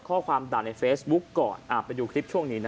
ข้อความด่าในเฟซบุ๊กก่อนไปดูคลิปช่วงนี้นะ